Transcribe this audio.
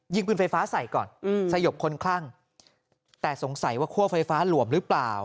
ปืนไฟฟ้าใส่ก่อนอืมสยบคนคลั่งแต่สงสัยว่าคั่วไฟฟ้าหลวมหรือเปล่า